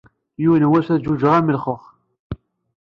Yiwen wass ad teǧǧuǧeg am lxux.